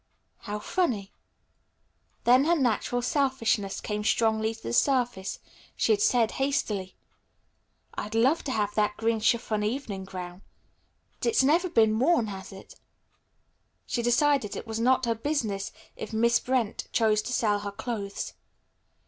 "How funny." Then her natural selfishness coming strongly to the surface, she had said hastily. "I'd love to have that green chiffon evening gown. It's never been worn, has it?" She decided it was not her business if Miss Brent chose to sell her clothes.